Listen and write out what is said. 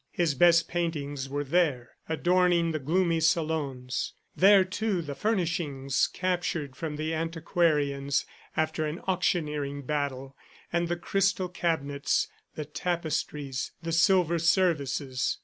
His best paintings were there, adorning the gloomy salons; there, too, the furnishings captured from the antiquarians after an auctioneering battle, and the crystal cabinets, the tapestries, the silver services.